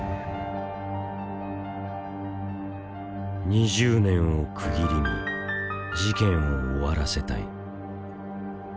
２０年を区切りに事件を終わらせたい。